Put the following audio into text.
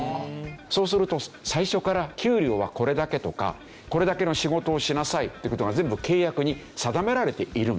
そうすると最初から給料はこれだけとかこれだけの仕事をしなさいって事が全部契約に定められているんですよ。